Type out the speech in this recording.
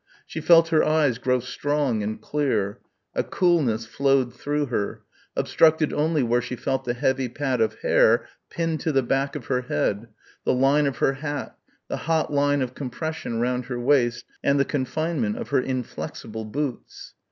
She felt her eyes grow strong and clear; a coolness flowed through her obstructed only where she felt the heavy pad of hair pinned to the back of her head, the line of her hat, the hot line of compression round her waist and the confinement of her inflexible boots.